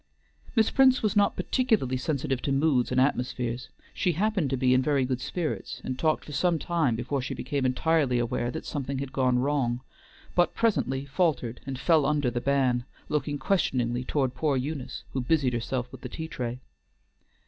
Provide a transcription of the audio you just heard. Miss Prince was not particularly sensitive to moods and atmospheres; she happened to be in very good spirits, and talked for some time before she became entirely aware that something had gone wrong, but presently faltered, and fell under the ban, looking questioningly toward poor Eunice, who busied herself with the tea tray.